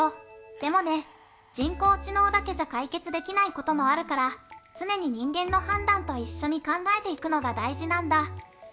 でもね、人工知能だけじゃ解決できないこともあるから常に人間の判断と一緒に考えていくのが大事なんだ！